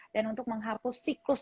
dan untuk menghapus siklus